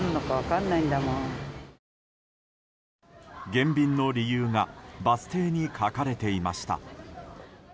減便の理由がバス停に書かれていました。